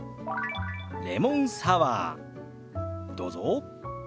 「レモンサワー」どうぞ。